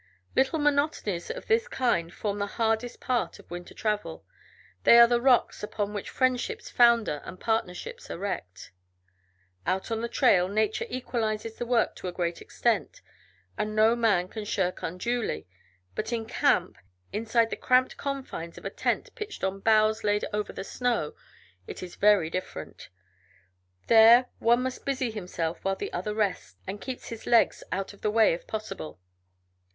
Little monotonies of this kind form the hardest part of winter travel, they are the rocks upon which friendships founder and partnerships are wrecked. Out on the trail, nature equalizes the work to a great extent, and no man can shirk unduly, but in camp, inside the cramped confines of a tent pitched on boughs laid over the snow, it is very different. There one must busy himself while the other rests and keeps his legs out of the way if possible.